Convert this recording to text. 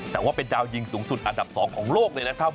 แต่ว่าเป็นดาวยิงสูงสุดอันดับ๒ของโลกเลยนะครับ